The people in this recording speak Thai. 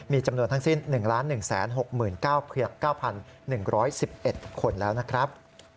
มีจำนวนทั้งสิ้น๑๑๖๙๑๑๑๑๑คนแล้วนะครับ